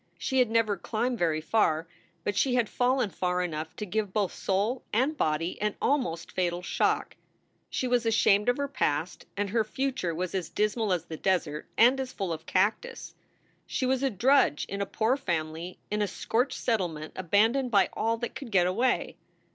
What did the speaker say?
She had never climbed very far, but she had fallen far enough to give both soul and body an almost fatal shock. She was ashamed of her past, and her future was as dismal as the desert and as full of cactus. She was a drudge in a poor family in a scorched settlement abandoned by all that could get away.